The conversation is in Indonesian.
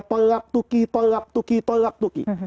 tolak tuki tolak tuki tolak tuki